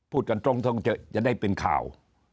พูดกันตรงจะได้เป็นข่าว